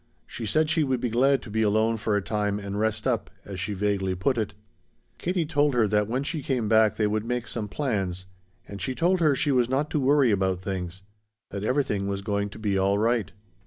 She said she would be glad to be alone for a time and "rest up," as she vaguely put it. Katie told her that when she came back they would make some plans; and she told her she was not to worry about things; that everything was going to be all right.